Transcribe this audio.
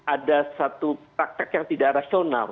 ada satu praktek yang tidak rasional